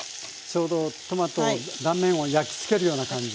ちょうどトマト断面を焼き付けるような感じ。